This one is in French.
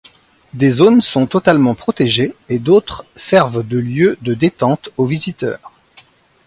Des zones sont totalement protégées et d’autres servent de lieux de détentes aux visiteurs.